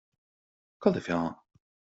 Cá bhfuil do pheann